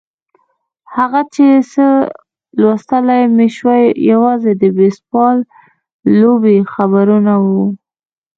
هغه څه چې لوستلای مې شوای یوازې د بېسبال لوبې خبرونه وو.